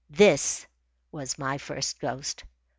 This was my first ghost.